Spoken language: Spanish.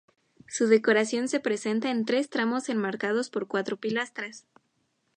Su decoración se presenta en tres tramos enmarcados por cuatro pilastras.